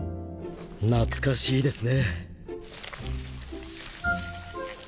懐かしいですね。